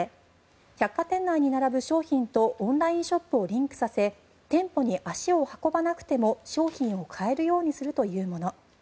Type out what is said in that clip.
百貨店内に並ぶ商品とオンラインショップをリンクさせ店舗に足を運ばなくても商品を買えるようにするというもの。